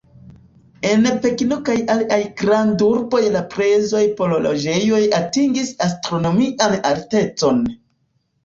En Pekino kaj aliaj grandurboj la prezoj por loĝejoj atingis astronomian altecon.